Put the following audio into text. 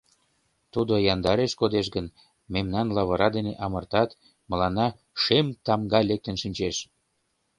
Тудо яндареш кодеш гын, мемнам лавыра дене амыртат, мыланна «шем тамга» лектын шинчеш...